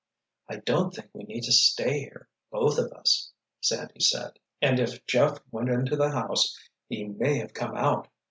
"I don't think we need to stay here—both of us," Sandy said. "And if Jeff went into the house, he may have come out.